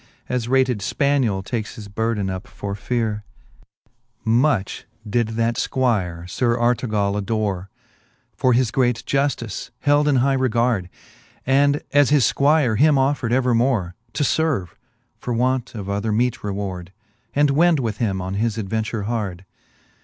As rated Spaniell takes his burden up for feare. ► XXX. Much did that Squire Sir Artegall adore, For his great juftice, held in high regard ; And, as his Squire, himofFred evermore To ferve, for want of other meete reward, And wend with him on his adventure hard.